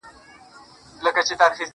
مينه مني ميني څه انكار نه كوي.